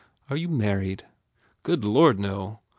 Are you married?" "Good lord, no.